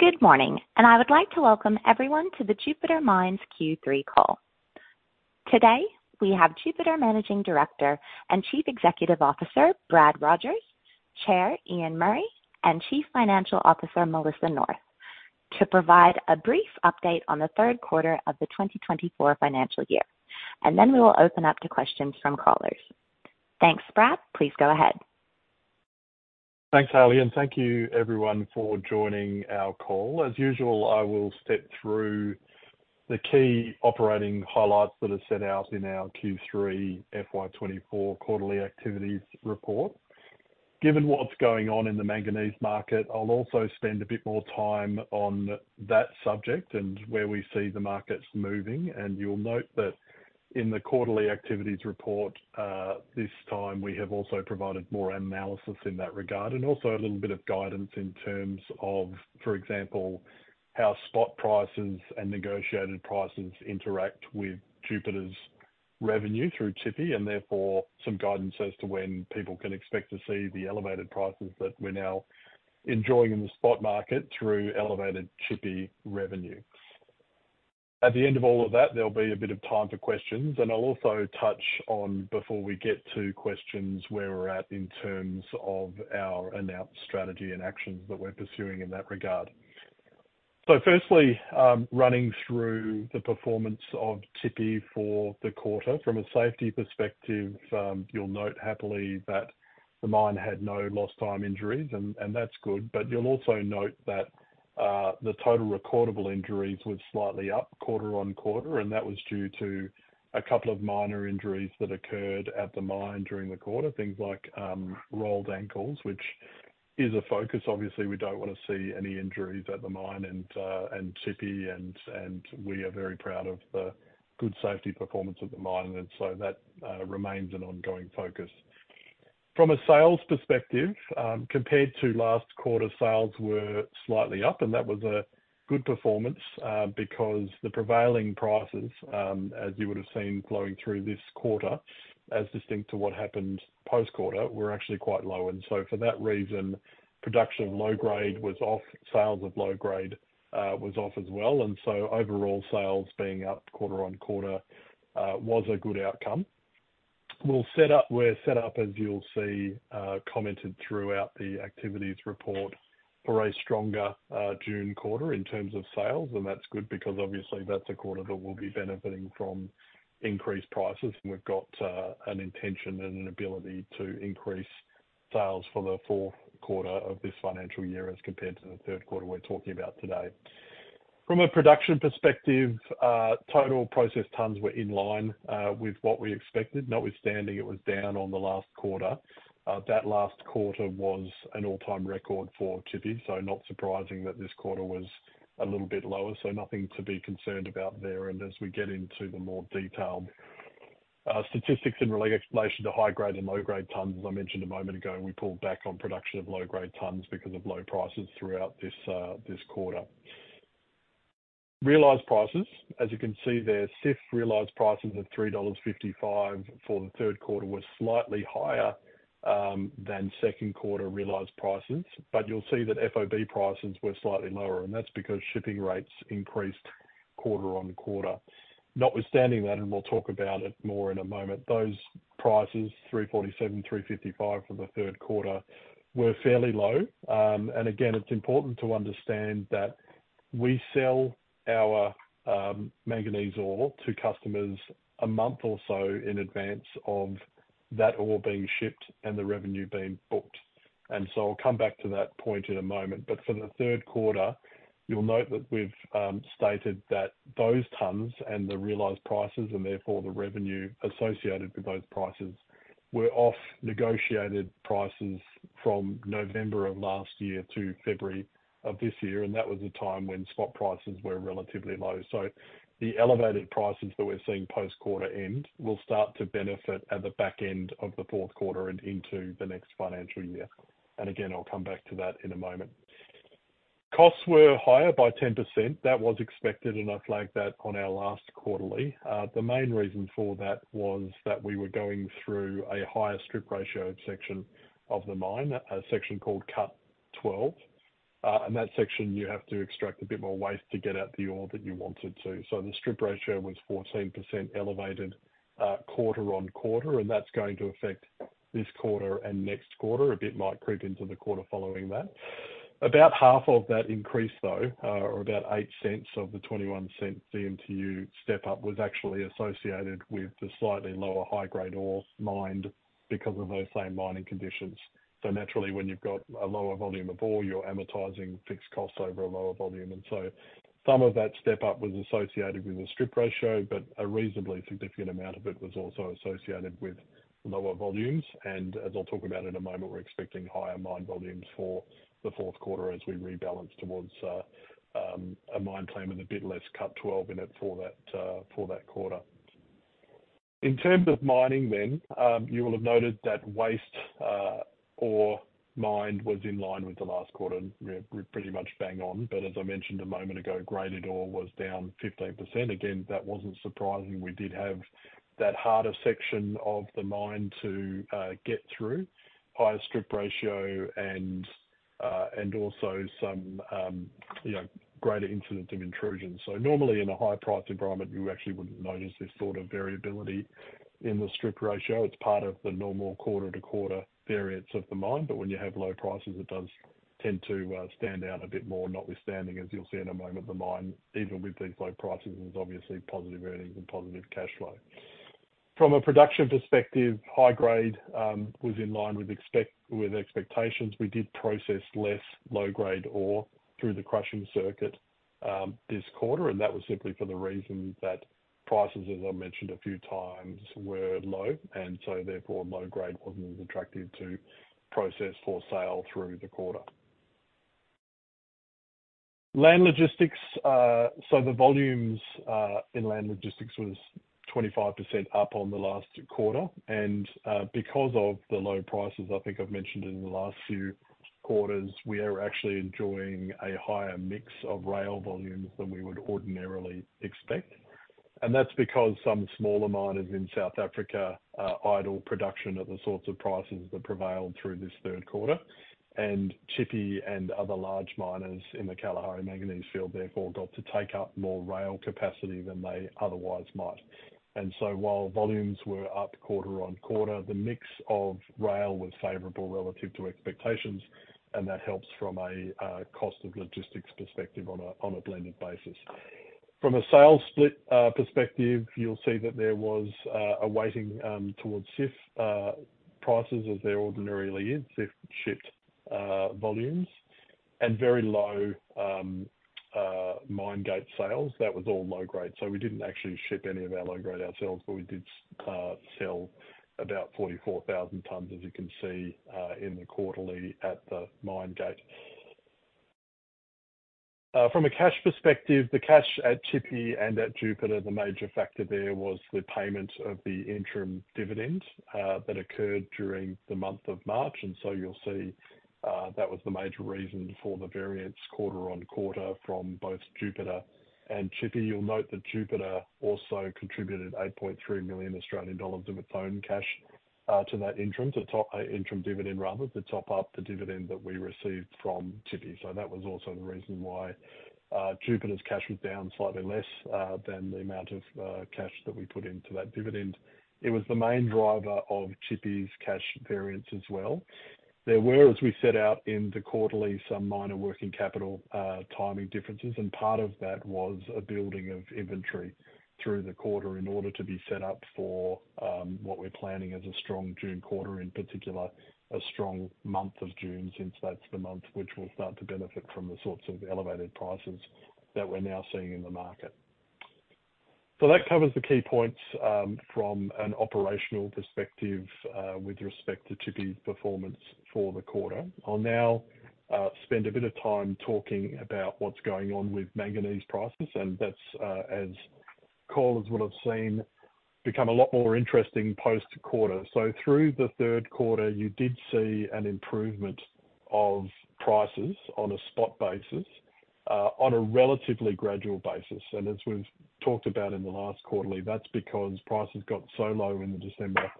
Good morning, and I would like to welcome everyone to the Jupiter Mines Q3 call. Today, we have Jupiter Managing Director and Chief Executive Officer, Brad Rogers, Chair, Ian Murray, and Chief Financial Officer, Melissa North, to provide a brief update on the third quarter of the 2024 financial year. Then we will open up to questions from callers. Thanks, Brad. Please go ahead. Thanks, Haley, and thank you everyone for joining our call. As usual, I will step through the key operating highlights that are set out in our Q3 FY 2024 quarterly activities report. Given what's going on in the manganese market, I'll also spend a bit more time on that subject and where we see the markets moving. And you'll note that in the quarterly activities report, this time we have also provided more analysis in that regard, and also a little bit of guidance in terms of, for example, how spot prices and negotiated prices interact with Jupiter's revenue through Tshipi, and therefore some guidance as to when people can expect to see the elevated prices that we're now enjoying in the spot market through elevated Tshipi revenue. At the end of all of that, there'll be a bit of time for questions, and I'll also touch on, before we get to questions, where we're at in terms of our announced strategy and actions that we're pursuing in that regard. So firstly, running through the performance of Tshipi for the quarter. From a safety perspective, you'll note happily that the mine had no lost time injuries, and that's good. But you'll also note that the total recordable injuries were slightly up quarter-on-quarter, and that was due to a couple of minor injuries that occurred at the mine during the quarter. Things like rolled ankles, which is a focus. Obviously, we don't wanna see any injuries at the mine and Tshipi, and we are very proud of the good safety performance of the mine. And so that remains an ongoing focus. From a sales perspective, compared to last quarter, sales were slightly up, and that was a good performance, because the prevailing prices, as you would have seen flowing through this quarter, as distinct to what happened post-quarter, were actually quite low. And so for that reason, production of low grade was off, sales of low grade was off as well, and so overall sales being up quarter on quarter was a good outcome. We'll set up-- We're set up, as you'll see, commented throughout the activities report, for a stronger June quarter in terms of sales. And that's good because obviously that's a quarter that we'll be benefiting from increased prices, and we've got an intention and an ability to increase sales for the fourth quarter of this financial year as compared to the third quarter we're talking about today. From a production perspective, total processed tons were in line with what we expected. Notwithstanding, it was down on the last quarter. That last quarter was an all-time record for Tshipi, so not surprising that this quarter was a little bit lower, so nothing to be concerned about there. And as we get into the more detailed statistics in relation to high-grade and low-grade tons, as I mentioned a moment ago, we pulled back on production of low-grade tons because of low prices throughout this quarter. Realized prices. As you can see there, CIF realized prices of $3.55 for the third quarter were slightly higher than second quarter realized prices. But you'll see that FOB prices were slightly lower, and that's because shipping rates increased quarter-on-quarter. Notwithstanding that, and we'll talk about it more in a moment, those prices, $3.47, $3.55 for the third quarter, were fairly low. And again, it's important to understand that we sell our manganese ore to customers a month or so in advance of that ore being shipped and the revenue being booked. And so I'll come back to that point in a moment. But for the third quarter, you'll note that we've stated that those tons and the realized prices, and therefore the revenue associated with those prices, were off negotiated prices from November of last year to February of this year, and that was a time when spot prices were relatively low. So the elevated prices that we're seeing post-quarter end will start to benefit at the back end of the fourth quarter and into the next financial year. And again, I'll come back to that in a moment. Costs were higher by 10%. That was expected, and I flagged that on our last quarterly. The main reason for that was that we were going through a higher strip ratio section of the mine, a section called Cut 12. And that section, you have to extract a bit more waste to get out the ore that you wanted to. So the strip ratio was 14% elevated, quarter-on-quarter, and that's going to affect this quarter and next quarter. A bit might creep into the quarter following that. About half of that increase, though, or about $0.08 of the $0.21 DMTU step up, was actually associated with the slightly lower high-grade ore mined because of those same mining conditions. So naturally, when you've got a lower volume of ore, you're amortizing fixed costs over a lower volume. And so some of that step up was associated with the strip ratio, but a reasonably significant amount of it was also associated with lower volumes. As I'll talk about in a moment, we're expecting higher mine volumes for the fourth quarter as we rebalance towards a mine plan with a bit less Cut 12 in it for that, for that quarter. In terms of mining then, you will have noted that waste ore mined was in line with the last quarter. We're pretty much bang on. As I mentioned a moment ago, graded ore was down 15%. Again, that wasn't surprising. We did have that harder section of the mine to get through. Higher strip ratio and also some, you know, greater incidence of intrusion. Normally, in a high price environment, you actually wouldn't notice this sort of variability in the strip ratio. It's part of the normal quarter-to-quarter variance of the mine. But when you have low prices, it does tend to stand out a bit more, notwithstanding, as you'll see in a moment, the mine, even with these low prices, is obviously positive earnings and positive cash flow. From a production perspective, high grade was in line with expectations. We did process less low-grade ore through the crushing circuit this quarter, and that was simply for the reason that prices, as I mentioned a few times, were low, and so therefore, low grade wasn't as attractive to process for sale through the quarter. Inland logistics, so the volumes in inland logistics was 25% up on the last quarter, and because of the low prices, I think I've mentioned in the last few quarters, we are actually enjoying a higher mix of rail volumes than we would ordinarily expect. That's because some smaller miners in South Africa idle production at the sorts of prices that prevailed through this third quarter, and Tshipi and other large miners in the Kalahari Manganese Field therefore got to take up more rail capacity than they otherwise might. So while volumes were up quarter on quarter, the mix of rail was favorable relative to expectations, and that helps from a cost of logistics perspective on a blended basis. From a sales split perspective, you'll see that there was a weighting towards CIF prices, as there ordinarily is, CIF shipped volumes, and very low mine gate sales. That was all low grade, so we didn't actually ship any of our low grade ourselves, but we did sell about 44,000 tons, as you can see, in the quarterly at the mine gate. From a cash perspective, the cash at Tshipi and at Jupiter, the major factor there was the payment of the interim dividend that occurred during the month of March. And so you'll see that was the major reason for the variance quarter-on-quarter from both Jupiter and Tshipi. You'll note that Jupiter also contributed 8.3 million Australian dollars of its own cash to that interim dividend rather, to top up the dividend that we received from Tshipi. So that was also the reason why, Jupiter's cash was down slightly less, than the amount of, cash that we put into that dividend. It was the main driver of Tshipi's cash variance as well. There were, as we set out in the quarterly, some minor working capital, timing differences, and part of that was a building of inventory through the quarter in order to be set up for, what we're planning as a strong June quarter, in particular, a strong month of June, since that's the month which we'll start to benefit from the sorts of elevated prices that we're now seeing in the market. So that covers the key points, from an operational perspective, with respect to Tshipi's performance for the quarter. I'll now spend a bit of time talking about what's going on with manganese prices, and that's, as callers would have seen, become a lot more interesting post-quarter. So through the third quarter, you did see an improvement of prices on a spot basis, on a relatively gradual basis. And as we've talked about in the last quarterly, that's because prices got so low in the December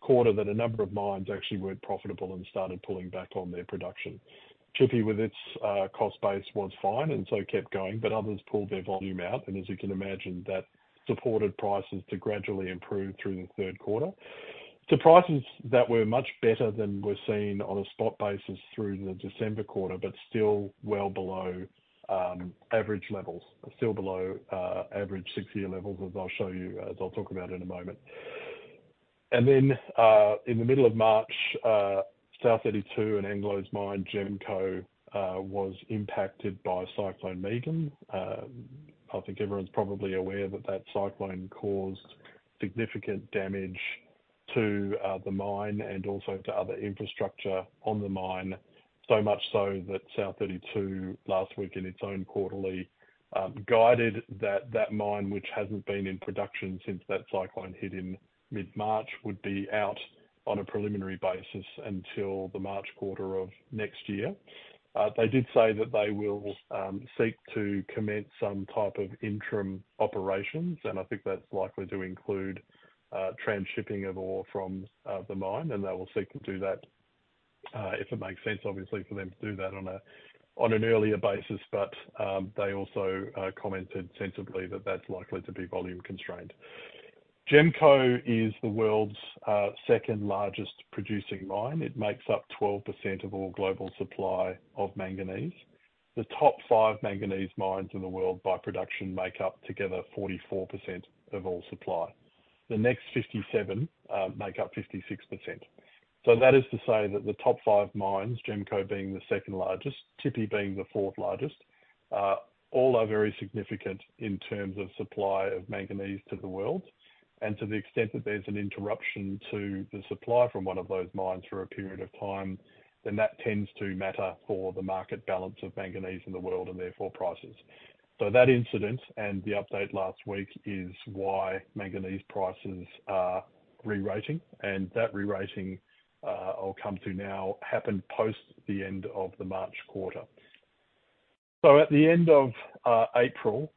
quarter that a number of mines actually weren't profitable and started pulling back on their production. Tshipi, with its cost base, was fine and so kept going, but others pulled their volume out, and as you can imagine, that supported prices to gradually improve through the third quarter. To prices that were much better than were seen on a spot basis through the December quarter, but still well below average levels, still below average six-year levels, as I'll show you, as I'll talk about in a moment. And then in the middle of March, South32 and Anglo's mine, GEMCO, was impacted by Cyclone Megan. I think everyone's probably aware that that cyclone caused significant damage to the mine and also to other infrastructure on the mine. So much so that South32, last week in its own quarterly, guided that that mine, which hasn't been in production since that cyclone hit in mid-March, would be out on a preliminary basis until the March quarter of next year. They did say that they will seek to commence some type of interim operations, and I think that's likely to include transshipping of ore from the mine, and they will seek to do that if it makes sense, obviously, for them to do that on an earlier basis. But they also commented sensibly that that's likely to be volume constrained. GEMCO is the world's second largest producing mine. It makes up 12% of all global supply of manganese. The top five manganese mines in the world by production make up together 44% of all supply. The next 57 make up 56%. So that is to say that the top five mines, GEMCO being the second largest, Tshipi being the fourth largest, all are very significant in terms of supply of manganese to the world. To the extent that there's an interruption to the supply from one of those mines for a period of time, then that tends to matter for the market balance of manganese in the world and therefore prices. That incident, and the update last week, is why manganese prices are rerating, and that rerating, I'll come to now, happened post the end of the March quarter. At the end of April,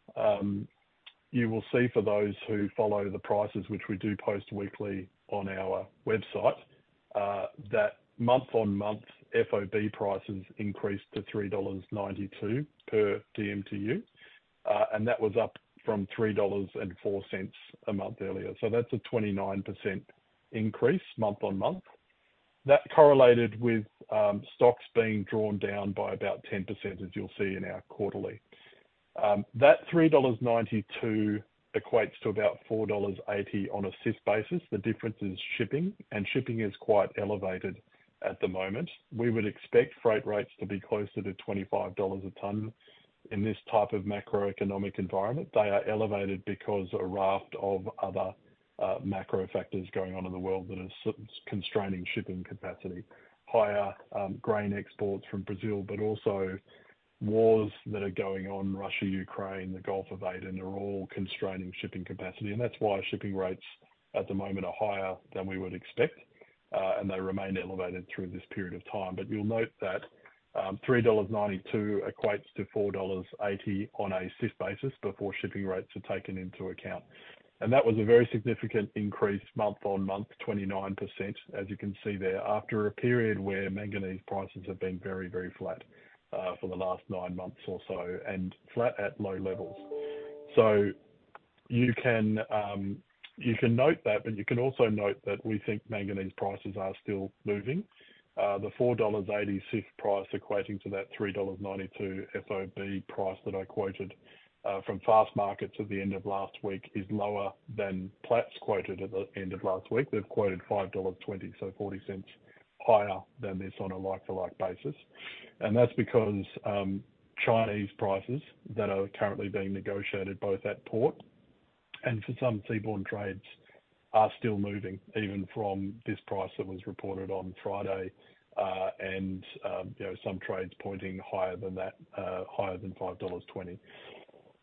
you will see for those who follow the prices, which we do post weekly on our website, that month-on-month FOB prices increased to $3.92 per DMTU, and that was up from $3.04 a month earlier. That's a 29% increase, month-on-month. That correlated with stocks being drawn down by about 10%, as you'll see in our quarterly. That $3.92 equates to about $4.80 on a CIF basis. The difference is shipping, and shipping is quite elevated at the moment. We would expect freight rates to be closer to $25 a ton in this type of macroeconomic environment. They are elevated because a raft of other macro factors going on in the world that are constraining shipping capacity. Higher grain exports from Brazil, but also wars that are going on, Russia, Ukraine, the Gulf of Aden, are all constraining shipping capacity. And that's why shipping rates at the moment are higher than we would expect, and they remain elevated through this period of time. You'll note that $3.92 equates to $4.80 on a CIF basis before shipping rates are taken into account. That was a very significant increase, month-on-month, 29%, as you can see there, after a period where manganese prices have been very, very flat, for the last 9 months or so, and flat at low levels. So you can, you can note that, but you can also note that we think manganese prices are still moving. The $4.80 CIF price equating to that $3.92 FOB price that I quoted, from Fastmarkets at the end of last week, is lower than Platts quoted at the end of last week. They've quoted $5.20, so $0.40 higher than this on a like-for-like basis. That's because, Chinese prices that are currently being negotiated, both at port and for some seaborne trades, are still moving even from this price that was reported on Friday. You know, some trades pointing higher than that, higher than $5.20.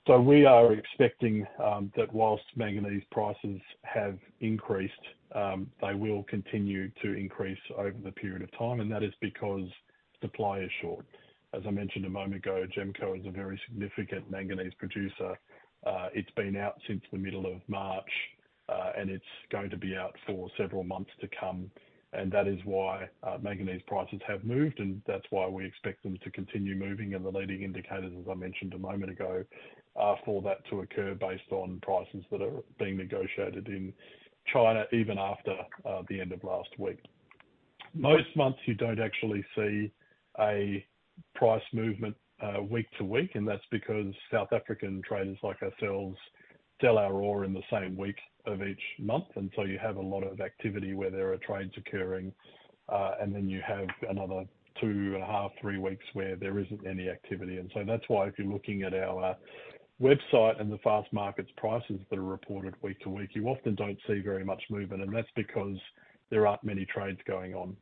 So we are expecting that whilst manganese prices have increased, they will continue to increase over the period of time, and that is because supply is short. As I mentioned a moment ago, GEMCO is a very significant manganese producer. It's been out since the middle of March, and it's going to be out for several months to come. And that is why manganese prices have moved, and that's why we expect them to continue moving. And the leading indicators, as I mentioned a moment ago, are for that to occur based on prices that are being negotiated in China, even after the end of last week. Most months, you don't actually see a price movement week to week, and that's because South African traders, like ourselves, sell our ore in the same week of each month. And so you have a lot of activity where there are trades occurring, and then you have another 2.5-3 weeks, where there isn't any activity. And so that's why if you're looking at our website and the Fastmarkets prices that are reported week to week, you often don't see very much movement, and that's because there aren't many trades going on,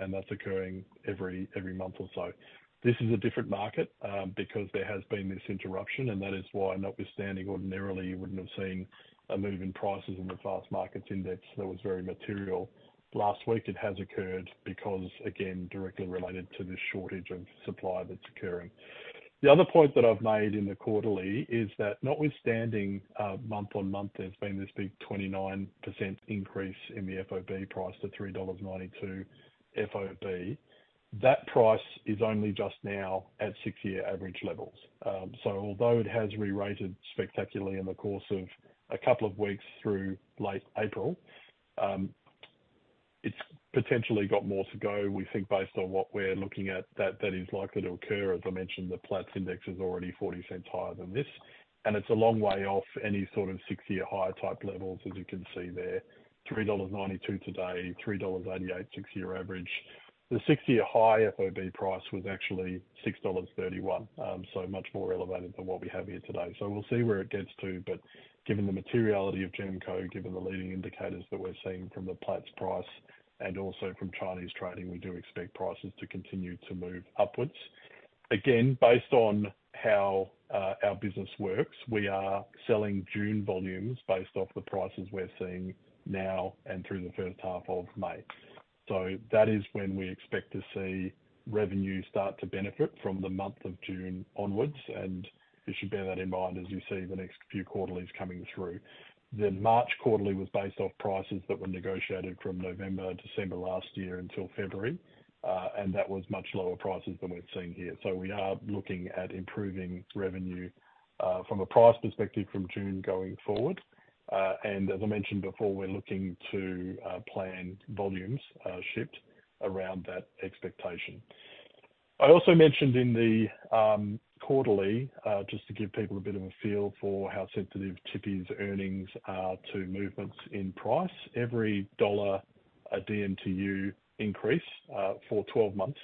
and that's occurring every month or so. This is a different market, because there has been this interruption, and that is why, notwithstanding, ordinarily, you wouldn't have seen a move in prices in the Fastmarkets index that was very material. Last week, it has occurred because, again, directly related to this shortage of supply that's occurring. The other point that I've made in the quarterly is that notwithstanding, month-on-month, there's been this big 29% increase in the FOB price to $3.92 FOB. That price is only just now at six-year average levels. So although it has rerated spectacularly in the course of a couple of weeks through late April, it's potentially got more to go. We think, based on what we're looking at, that that is likely to occur. As I mentioned, the Platts index is already $0.40 higher than this, and it's a long way off any sort of six-year high type levels, as you can see there. $3.92 today, $3.88, six-year average. The 6-year high FOB price was actually $6.31, so much more elevated than what we have here today. So we'll see where it gets to, but given the materiality of GEMCO, given the leading indicators that we're seeing from the Platts price and also from Chinese trading, we do expect prices to continue to move upwards. Again, based on how, our business works, we are selling June volumes based off the prices we're seeing now and through the first half of May. So that is when we expect to see revenue start to benefit from the month of June onwards, and you should bear that in mind as you see the next few quarterlies coming through. The March quarterly was based off prices that were negotiated from November, December last year until February, and that was much lower prices than we've seen here. So we are looking at improving revenue from a price perspective from June going forward. And as I mentioned before, we're looking to plan volumes shipped around that expectation. I also mentioned in the quarterly just to give people a bit of a feel for how sensitive Tshipi's earnings are to movements in price. Every $1/DMTU increase for 12 months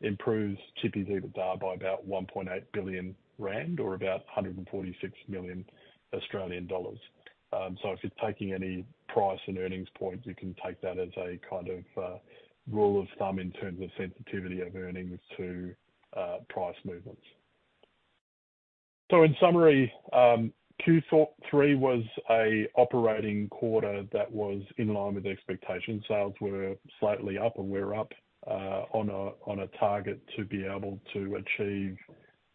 improves Tshipi's EBITDA by about 1.8 billion rand or about 146 million Australian dollars. So if you're taking any price and earnings points, you can take that as a kind of rule of thumb in terms of sensitivity of earnings to price movements. So in summary, Q3 was an operating quarter that was in line with expectations. Sales were slightly up, and we're up on a target to be able to achieve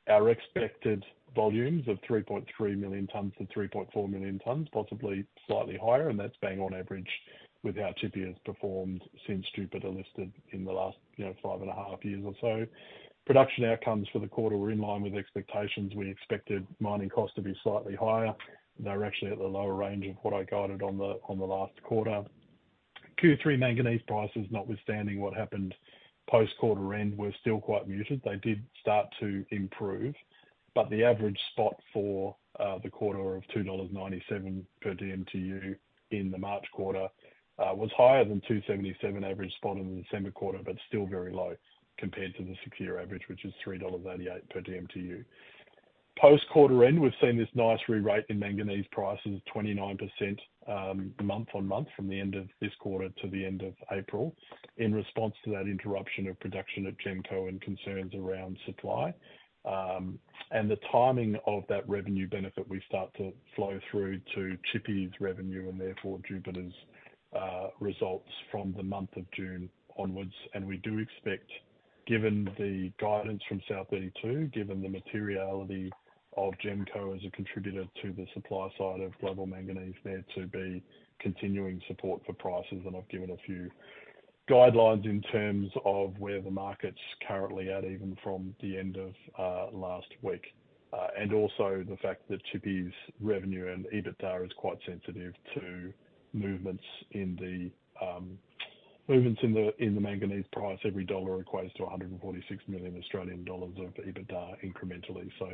our expected volumes of 3.3 million tons-3.4 million tons, possibly slightly higher, and that's bang on average with how Tshipi has performed since Jupiter listed in the last, you know, 5.5 years or so. Production outcomes for the quarter were in line with expectations. We expected mining costs to be slightly higher. They were actually at the lower range of what I guided on the last quarter. Q3 manganese prices, notwithstanding what happened post-quarter end, were still quite muted. They did start to improve, but the average spot for the quarter of $2.97 per DMTU in the March quarter was higher than $2.77 average spot in the December quarter, but still very low compared to the six-year average, which is $3.98 per DMTU. Post-quarter end, we've seen this nice rerate in manganese prices, 29%, month-on-month from the end of this quarter to the end of April, in response to that interruption of production at GEMCO and concerns around supply. And the timing of that revenue benefit will start to flow through to Tshipi's revenue and therefore Jupiter's results from the month of June onwards. We do expect, given the guidance from South32, given the materiality of GEMCO as a contributor to the supply side of global manganese, there to be continuing support for prices. And I've given a few guidelines in terms of where the market's currently at, even from the end of last week. And also the fact that Tshipi's revenue and EBITDA is quite sensitive to movements in the manganese price. Every dollar equates to 146 million Australian dollars of EBITDA incrementally. So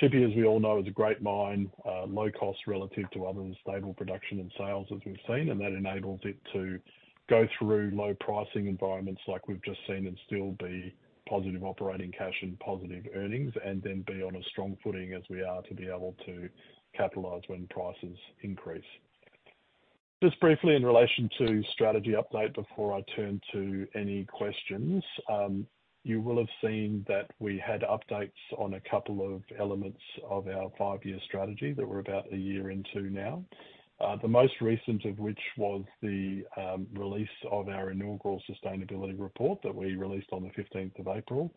Tshipi, as we all know, is a great mine, low cost relative to others, stable production and sales as we've seen, and that enables it to go through low pricing environments like we've just seen, and still be positive operating cash and positive earnings, and then be on a strong footing as we are, to be able to capitalize when prices increase. Just briefly, in relation to strategy update before I turn to any questions. You will have seen that we had updates on a couple of elements of our five-year strategy that we're about a year into now. The most recent of which was the release of our inaugural sustainability report that we released on the fifteenth of April.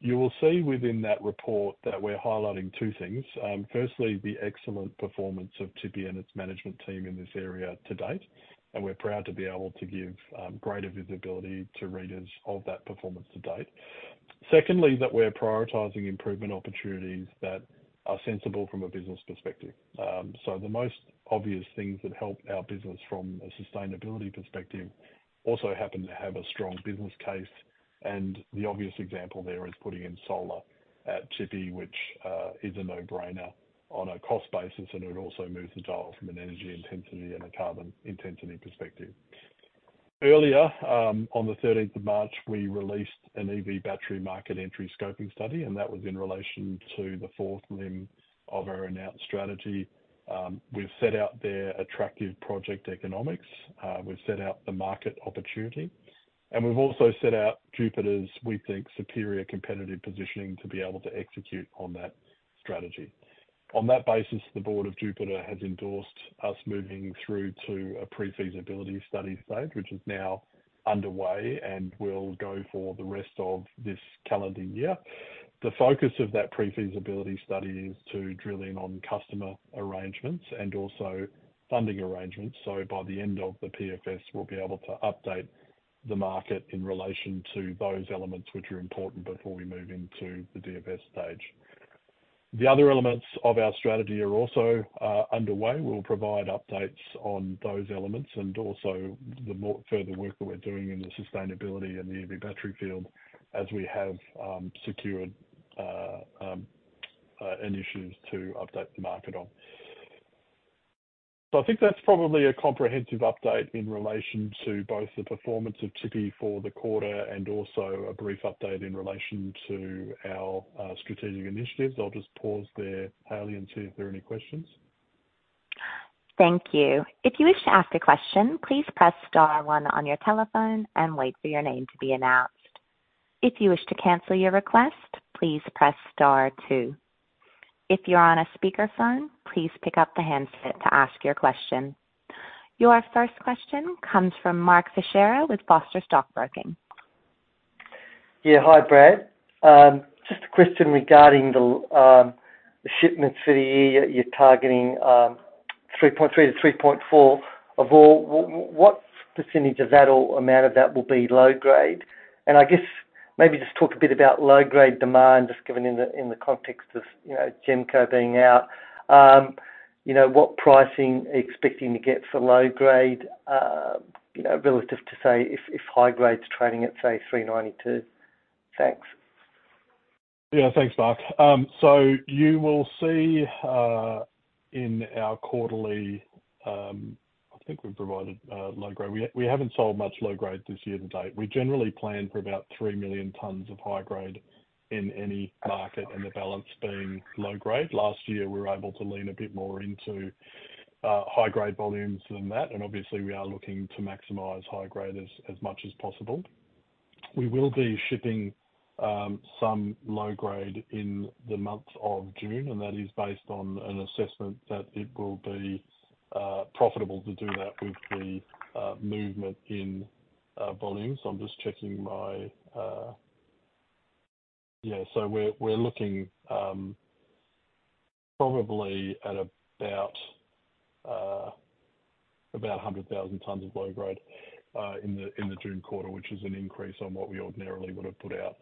You will see within that report that we're highlighting two things. Firstly, the excellent performance of Tshipi and its management team in this area to date, and we're proud to be able to give greater visibility to readers of that performance to date. Secondly, that we're prioritizing improvement opportunities that are sensible from a business perspective. So the most obvious things that help our business from a sustainability perspective also happen to have a strong business case, and the obvious example there is putting in solar at Tshipi, which is a no-brainer on a cost basis, and it also moves the dial from an energy intensity and a carbon intensity perspective. Earlier, on the thirteenth of March, we released an EV battery market entry scoping study, and that was in relation to the fourth limb of our announced strategy. We've set out their attractive project economics, we've set out the market opportunity, and we've also set out Jupiter's, we think, superior competitive positioning to be able to execute on that strategy. On that basis, the board of Jupiter has endorsed us moving through to a pre-feasibility study stage, which is now underway and will go for the rest of this calendar year. The focus of that pre-feasibility study is to drill in on customer arrangements and also funding arrangements. So by the end of the PFS, we'll be able to update the market in relation to those elements, which are important before we move into the DFS stage. The other elements of our strategy are also underway. We'll provide updates on those elements and also the further work that we're doing in the sustainability and the EV battery field as we have secured initiatives to update the market on. So I think that's probably a comprehensive update in relation to both the performance of Tshipi for the quarter and also a brief update in relation to our strategic initiatives. I'll just pause there, Haley, and see if there are any questions. Thank you. If you wish to ask a question, please press star one on your telephone and wait for your name to be announced. If you wish to cancel your request, please press star two. If you're on a speakerphone, please pick up the handset to ask your question. Your first question comes from Mark Fichera with Foster Stockbroking. Yeah, hi, Brad. Just a question regarding the shipments for the year. You're targeting 3.3-3.4 overall. What percentage of that or amount of that will be low grade? And I guess maybe just talk a bit about low-grade demand, just given in the context of, you know, GEMCO being out. You know, what pricing are you expecting to get for low grade relative to, say, if high grade's trading at, say, $3.92? Thanks. Yeah. Thanks, Mark. So you will see in our quarterly. I think we've provided low grade. We, we haven't sold much low grade this year to date. We generally plan for about 3 million tons of high grade in any market, and the balance being low grade. Last year, we were able to lean a bit more into high-grade volumes than that, and obviously we are looking to maximize high grade as much as possible. We will be shipping some low grade in the month of June, and that is based on an assessment that it will be profitable to do that with the movement in volumes. I'm just checking my. Yeah, so we're looking probably at about 100,000 tons of low grade in the June quarter, which is an increase on what we ordinarily would have put out.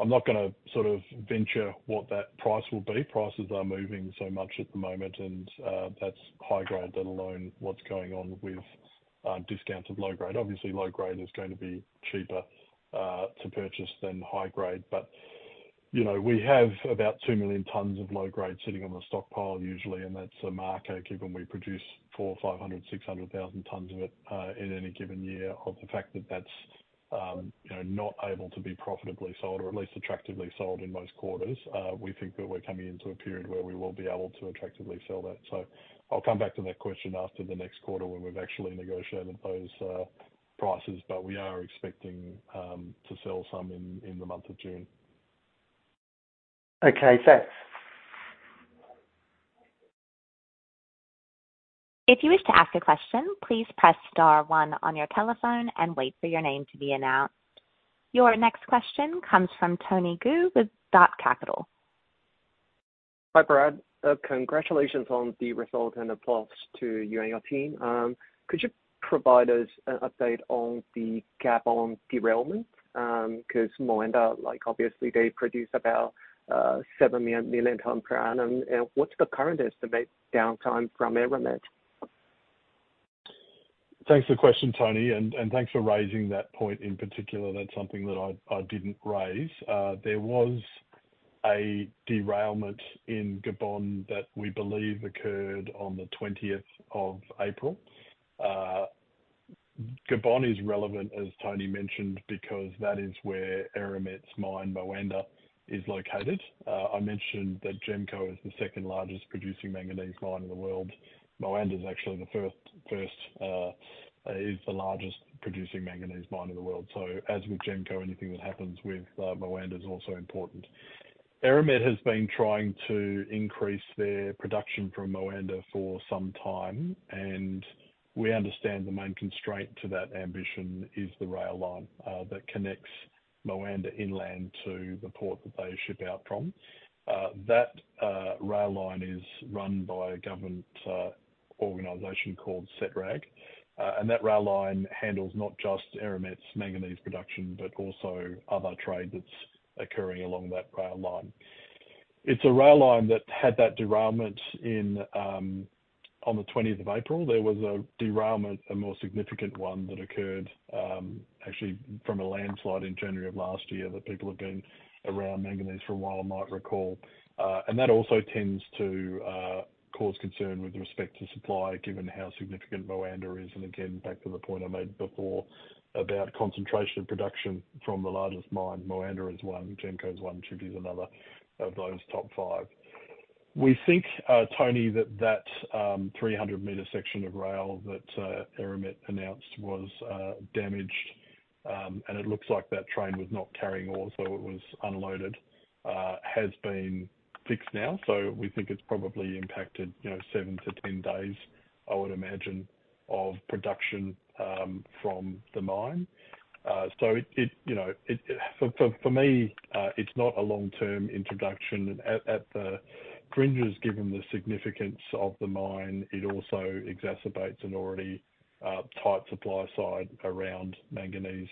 I'm not gonna sort of venture what that price will be. Prices are moving so much at the moment, and that's high grade, let alone what's going on with discounts of low grade. Obviously, low grade is going to be cheaper to purchase than high grade. You know, we have about 2 million tons of low grade sitting on the stockpile usually, and that's a marker, given we produce 400,000-600,000 tons of it in any given year, of the fact that that's, you know, not able to be profitably sold or at least attractively sold in most quarters. We think that we're coming into a period where we will be able to attractively sell that. So I'll come back to that question after the next quarter when we've actually negotiated those prices, but we are expecting to sell some in the month of June. Okay, thanks. If you wish to ask a question, please press star one on your telephone and wait for your name to be announced. Your next question comes from Tony Gu with Datt. Hi, Brad. Congratulations on the result and applause to you and your team. Could you provide us an update on the Gabon derailment? Because Moanda, like, obviously they produce about 7 million tons per annum. And what's the current estimate downtime from Eramet? Thanks for the question, Tony, and thanks for raising that point. In particular, that's something that I didn't raise. There was a derailment in Gabon that we believe occurred on the twentieth of April. Gabon is relevant, as Tony mentioned, because that is where Eramet's mine, Moanda, is located. I mentioned that GEMCO is the second largest producing manganese mine in the world. Moanda is actually the largest producing manganese mine in the world. So as with GEMCO, anything that happens with Moanda is also important. Eramet has been trying to increase their production from Moanda for some time, and we understand the main constraint to that ambition is the rail line that connects Moanda inland to the port that they ship out from. That rail line is run by a government organization called SETRAG. And that rail line handles not just Eramet's manganese production, but also other trade that's occurring along that rail line. It's a rail line that had that derailment in on the 20th of April. There was a derailment, a more significant one, that occurred, actually from a landslide in January of last year, that people have been around manganese for a while and might recall. And that also tends to cause concern with respect to supply, given how significant Moanda is. And again, back to the point I made before about concentration of production from the largest mine, Moanda is 1, GEMCO is 1, Tshipi another of those top 5. We think, Tony, that 300-meter section of rail that Eramet announced was damaged, and it looks like that train was not carrying ore, so it was unloaded, has been fixed now. So we think it's probably impacted, you know, 7-10 days, I would imagine, of production from the mine. So it, you know, for me, it's not a long-term introduction. At the fringes, given the significance of the mine, it also exacerbates an already tight supply side around manganese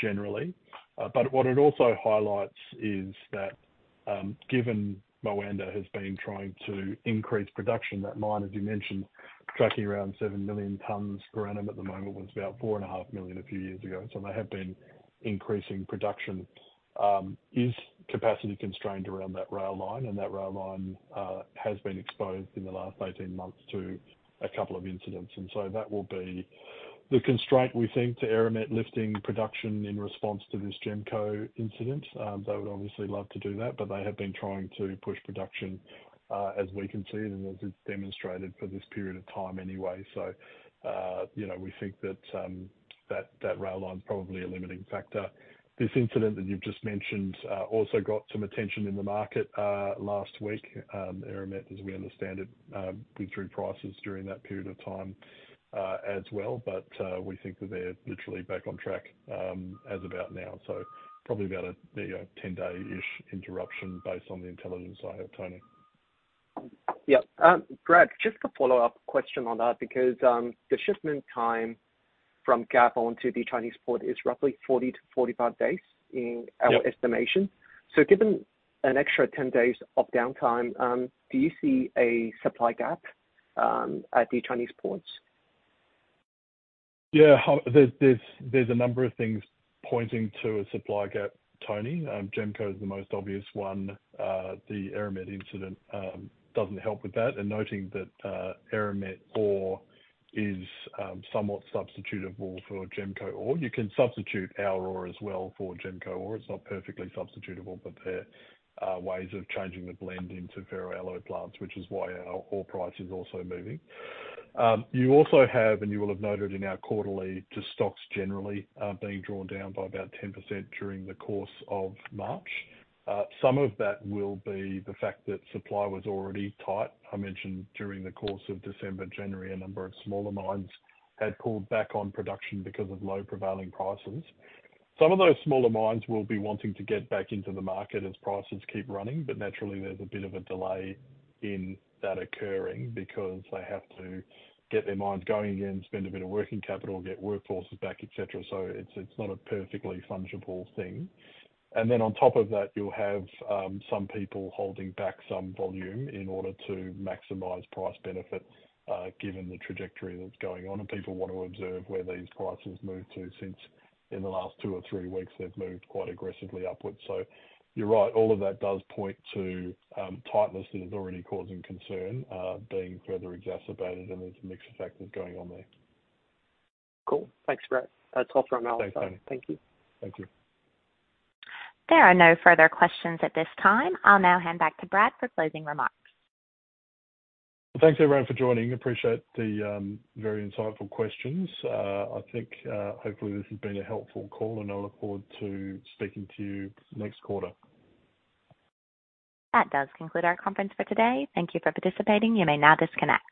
generally. But what it also highlights is that, given Moanda has been trying to increase production, that mine, as you mentioned, tracking around 7 million tons per annum at the moment, was about 4.5 million a few years ago. So they have been increasing production. Is capacity constrained around that rail line, and that rail line has been exposed in the last 18 months to a couple of incidents. And so that will be the constraint, we think, to Eramet lifting production in response to this GEMCO incident. They would obviously love to do that, but they have been trying to push production, as we can see, and as it's demonstrated for this period of time anyway. So, you know, we think that that rail line is probably a limiting factor. This incident that you've just mentioned also got some attention in the market last week. Eramet, as we understand it, withdrew prices during that period of time, as well. But we think that they're literally back on track, as about now. Probably about a, you know, 10-day-ish interruption based on the intelligence I have, Tony. Yeah. Brad, just a follow-up question on that, because the shipment time from Gabon to the Chinese port is roughly 40-45 days in- Yeah -our estimation. So given an extra 10 days of downtime, do you see a supply gap at the Chinese ports? Yeah, there's a number of things pointing to a supply gap, Tony. GEMCO is the most obvious one. The Eramet incident doesn't help with that. And noting that Eramet ore is somewhat substitutable for GEMCO ore. You can substitute our ore as well for GEMCO ore. It's not perfectly substitutable, but there are ways of changing the blend into ferroalloy plants, which is why our ore price is also moving. You also have, and you will have noted in our quarterly, just stocks generally being drawn down by about 10% during the course of March. Some of that will be the fact that supply was already tight. I mentioned during the course of December, January, a number of smaller mines had pulled back on production because of low prevailing prices. Some of those smaller mines will be wanting to get back into the market as prices keep running, but naturally there's a bit of a delay in that occurring because they have to get their mines going again, spend a bit of working capital, get workforces back, et cetera. So it's not a perfectly fungible thing. And then on top of that, you'll have some people holding back some volume in order to maximize price benefits given the trajectory that's going on, and people want to observe where these prices move to, since in the last two or three weeks they've moved quite aggressively upwards. So you're right, all of that does point to tightness that is already causing concern being further exacerbated, and there's a mixed effect that's going on there. Cool. Thanks, Brad. That's all from our side. Thanks, Tony. Thank you. Thank you. There are no further questions at this time. I'll now hand back to Brad for closing remarks. Well, thanks, everyone, for joining. Appreciate the very insightful questions. I think, hopefully this has been a helpful call, and I look forward to speaking to you next quarter. That does conclude our conference for today. Thank you for participating. You may now disconnect.